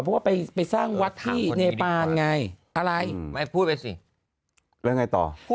เพราะว่าไปไปสร้างวัตต์ที่เนปานไงอะไร